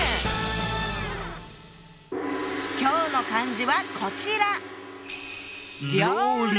今日の漢字はこちら！